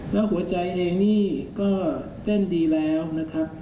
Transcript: แล้วหัวใจเองนี่ก็เต้นดีแล้วนะครับ